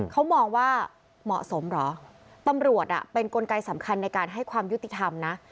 เขามองว่าเหมาะสมเหรอตำรวจเป็นกลไกสำคัญในการให้ความยุติธรรมนะ